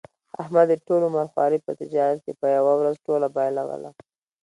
احمد د ټول عمر خواري په تجارت کې په یوه ورځ ټوله بایلوله.